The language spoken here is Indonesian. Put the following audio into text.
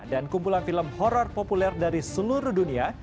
dan kumpulan film horror populer dari seluruh dunia